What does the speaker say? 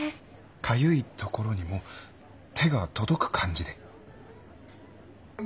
かゆいところにも手が届く感じで。